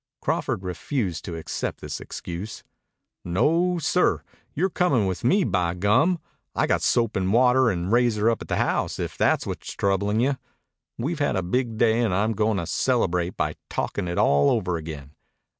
Crawford refused to accept this excuse. "No, sir. You're comin' with me, by gum! I got soap and water and a razor up at the house, if that's what's troublin' you. We've had a big day and I'm goin' to celebrate by talkin' it all over again.